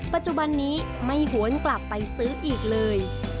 ปัจจุบันนี้ไม่หวนกลับไปซื้ออีกเลย